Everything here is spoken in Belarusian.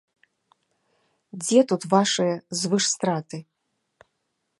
Дзе тут вашыя звышстраты?